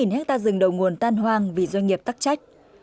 năm hectare rừng đầu nguồn tan hoang vì doanh nghiệp tắc trách